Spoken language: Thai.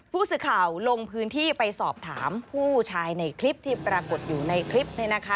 ผู้สื่อข่าวลงพื้นที่ไปสอบถามผู้ชายในคลิปที่ปรากฏอยู่ในคลิปนี้นะคะ